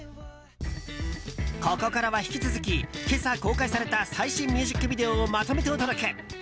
ここからは引き続き今朝公開された最新ミュージックビデオをまとめてお届け。